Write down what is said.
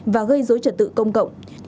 và gây dối trật tự công cộng